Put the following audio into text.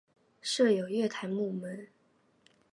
设有月台幕门。